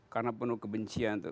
karena penuh kebencian itu